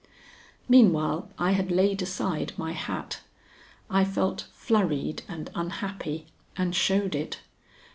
Meanwhile I had laid aside my hat. I felt flurried and unhappy, and showed it.